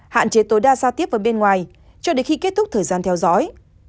hạn chế tối đa giao tiếp vào bên ngoài cho đến khi kết thúc thời gian theo dõi